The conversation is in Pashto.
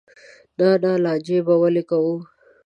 نه نه لانجې به ولې کوو.